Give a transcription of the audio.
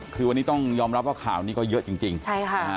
คือวันนี้ต้องยอมรับว่าข่าวนี้ก็เยอะจริงจริงใช่ค่ะ